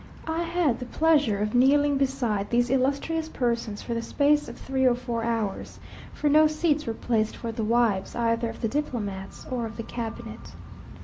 I had the pleasure of kneeling beside these illustrious persons for the space of three or four hours, for no seats were placed for the wives either of the diplomates or of the cabinet.